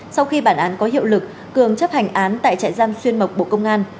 sau khi bản án có hiệu lực cường chấp hành án tại trại giam xuyên mộc bộ công an